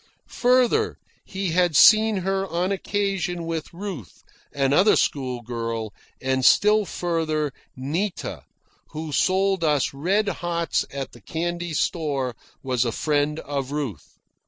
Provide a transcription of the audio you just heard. Further, he had seen her on occasion with Ruth, another schoolgirl, and, still further, Nita, who sold us red hots at the candy store, was a friend of Ruth.